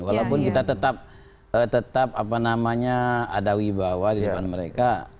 walaupun kita tetap tetap apa namanya ada wibawa di depan mereka